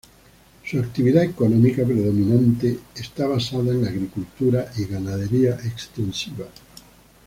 Su actividad económica predominante está basada en la agricultura y ganadería extensiva.